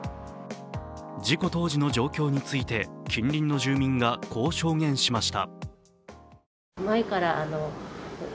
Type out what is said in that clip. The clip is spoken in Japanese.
事故当時の状況について近隣の住民がこう証言しました。